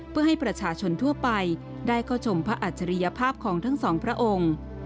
เพื่อให้ประชาชนทั่วไปได้เข้าชมพระอัจฉริยภาพของทั้งสองพระองค์